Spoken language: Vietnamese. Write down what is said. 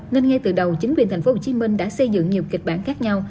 nên ngay từ đầu chính quyền tp hcm đã xây dựng nhiều kịch bản khác nhau